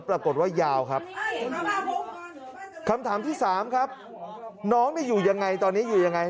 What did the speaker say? ปรากฏว่ายาวครับคำถามที่สามครับน้องนี่อยู่ยังไงตอนนี้อยู่ยังไง